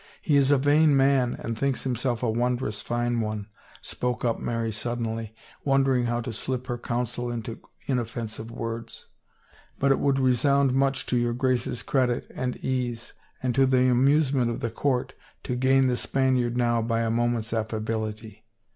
He is a vain man and thinks himself a wondrous fine one," spoke up Mary suddenly, wondering how to slip her counsel into inoffensive words. " But it would resound much to your Grace's credit and ease and to the amusement of the court to gain the Spaniard now by a moment's aflfability."